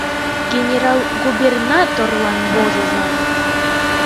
— Генерал-губернаторлан возыза!